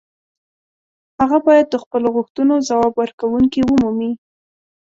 هغه باید د خپلو غوښتنو ځواب ورکوونکې ومومي.